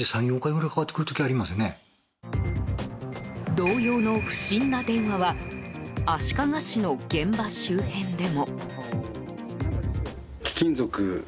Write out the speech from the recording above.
同様の不審な電話は足利市の現場周辺でも。